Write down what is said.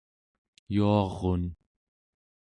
yuarun